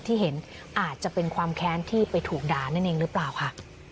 ที่เห็นอาจจะเป็นความแค้นที่ไปถูกด่านั่นเองหรือเปล่าค่ะ